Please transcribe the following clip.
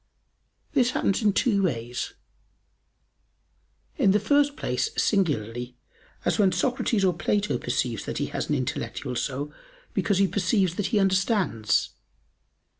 This happens in two ways: In the first place, singularly, as when Socrates or Plato perceives that he has an intellectual soul because he perceives that he understands.